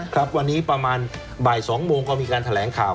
ครับวันนี้ประมาณบ่าย๒โมงก็มีการแถลงข่าว